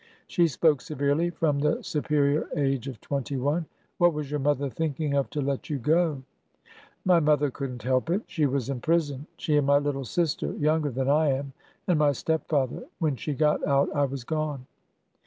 She spoke severely, from the superior age of twenty one. What was your mother thinking of to let you go ?" My mother could n't help it. She was in prison, — she and my little sister— younger than I am— and my step father. When she got out I was gone."